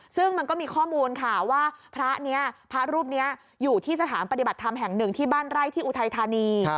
ซึ่งมันก็มีข้อมูลค่ะว่าพระนี้พระรูปนี้อยู่ที่สถานปฏิบัติธรรมแห่งหนึ่งที่บ้านไร่ที่อุทัยธานี